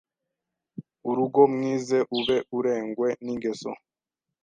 Urugo mwize ube urengwe n’ingeso